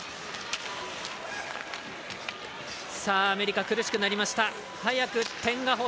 アメリカ苦しくなりました。